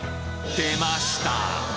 出ました！